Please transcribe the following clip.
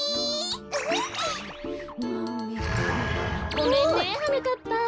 ごめんねはなかっぱ。